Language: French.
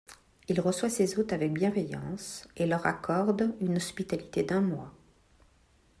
Il reçoit ses hôtes avec bienveillance et leur accorde une hospitalité d’un mois.